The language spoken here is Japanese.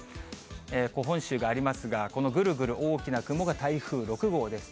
本州がありますが、ぐるぐる大きな雲が台風６号です。